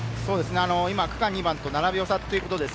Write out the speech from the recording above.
区間に２番と７秒差ということですね。